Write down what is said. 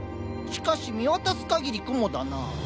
しかし見渡すかぎり雲だな。